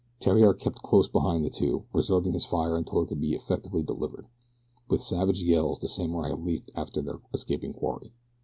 Theriere kept close behind the two, reserving his fire until it could be effectively delivered. With savage yells the samurai leaped after their escaping quarry.